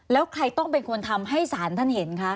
แล้วใครต้องเป็นคนทำให้ศาลท่านเห็นคะ